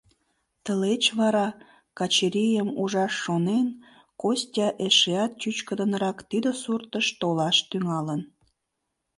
Тылеч вара, Качырийым ужаш шонен, Костя эшеат чӱчкыдынрак тиде суртыш толаш тӱҥалын.